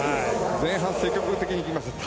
前半、積極的にきました。